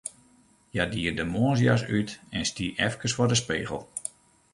Hja die de moarnsjas út en stie efkes foar de spegel.